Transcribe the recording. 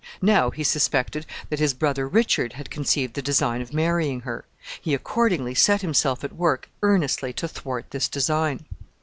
Now he suspected that his brother Richard had conceived the design of marrying her. He accordingly set himself at work earnestly to thwart this design.